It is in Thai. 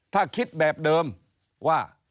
ถ้าคิดแบบเดิมว่า